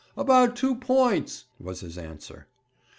'About two points,' was his answer.